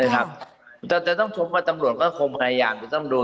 แต่ต้องชมกับตำรวจของพยายามก็ต้องดู